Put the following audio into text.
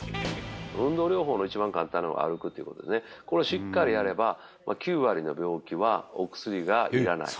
運動療法の一番簡単なのが歩くっていうことね、これ、しっかりやれば、９割の病気は、お薬がいらない。